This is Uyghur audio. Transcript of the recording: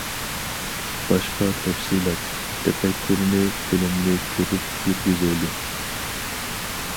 باشقا تەپسىلات، تەپەككۇرنى فىلىمنى كۆرۈپ يۈرگۈزەيلى.